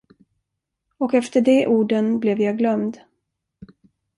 Och efter de orden blev jag glömd.